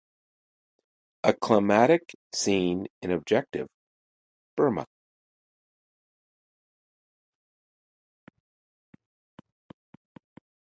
A climactic scene in Objective, Burma!